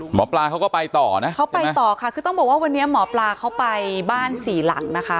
หมอปลาเขาก็ไปต่อนะเขาไปต่อค่ะคือต้องบอกว่าวันนี้หมอปลาเขาไปบ้านสี่หลังนะคะ